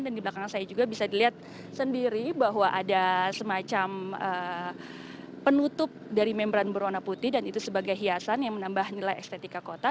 dan di belakang saya juga bisa dilihat sendiri bahwa ada semacam penutup dari membran berwarna putih dan itu sebagai hiasan yang menambah nilai estetika kota